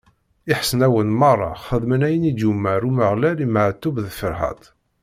Iḥesnawen meṛṛa xedmen ayen i d-yumeṛ Umeɣlal i Meɛtub d Ferḥat.